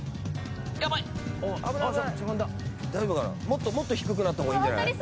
もっともっと低くなった方がいいんじゃない？